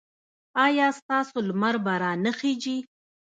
ایا ستاسو لمر به را نه خېژي؟